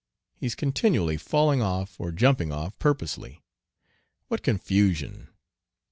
He's continually falling off or jumping off purposely (?). What confusion!